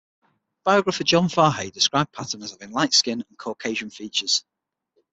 Biographer John Fahey described Patton as having light skin and Caucasian features.